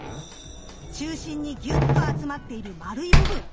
中心にギュッと集まっている丸い部分。